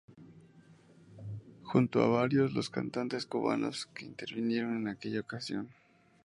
Junto a varios los cantantes cubanos que intervinieron en aquella ocasión.